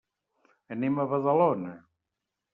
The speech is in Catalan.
Anem a Badalona.